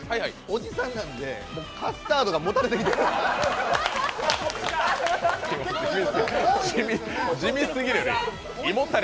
おじさんなんで、カスタードがもたれてきました。